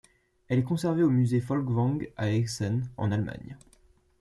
Elle est conservée au musée Folkwang, à Essen, en Allemagne.